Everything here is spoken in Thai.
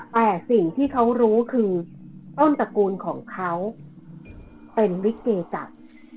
แต่สิ่งที่เขารู้คือต้นตระกูลของเขาเป็นริเกจักร